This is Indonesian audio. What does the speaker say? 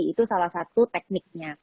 itu salah satu tekniknya